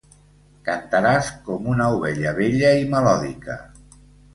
Cantaràs com una ovella vella i melòdica.